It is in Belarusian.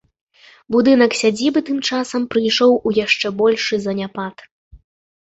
Будынак сядзібы тым часам прыйшоў у яшчэ большы заняпад.